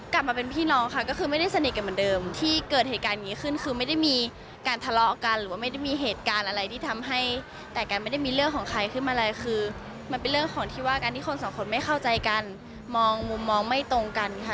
กลับมาเป็นพี่น้องค่ะก็คือไม่ได้สนิทกันเหมือนเดิมที่เกิดเหตุการณ์อย่างนี้ขึ้นคือไม่ได้มีการทะเลาะกันหรือว่าไม่ได้มีเหตุการณ์อะไรที่ทำให้แต่กันไม่ได้มีเรื่องของใครขึ้นมาเลยคือมันเป็นเรื่องของที่ว่าการที่คนสองคนไม่เข้าใจกันมองมุมมองไม่ตรงกันค่ะ